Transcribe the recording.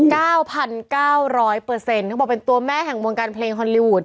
เขาบอกเป็นตัวแม่แห่งวงการเพลงฮอลลีวูด